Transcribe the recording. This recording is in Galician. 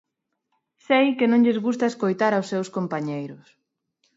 Sei que non lles gusta escoitar aos seus compañeiros.